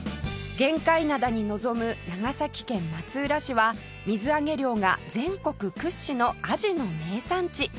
玄海灘に臨む長崎県松浦市は水揚げ量が全国屈指のアジの名産地